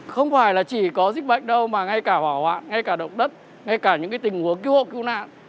không phải là chỉ có dịch bệnh đâu mà ngay cả hỏa hoạn ngay cả động đất ngay cả những tình huống cứu hộ cứu nạn